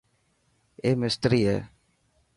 اي مستري هي.